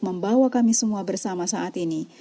membawa kami semua bersama saat ini